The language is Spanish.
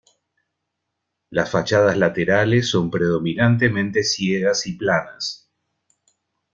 Las fachadas laterales son predominantemente ciegas y planas.